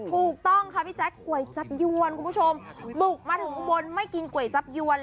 ถูกต้องค่ะพี่แจ๊กก๋วยจับยวนคุณผู้ชมบุกมาถึงอุบลไม่กินก๋วยจับยวน